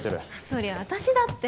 そりゃ私だって。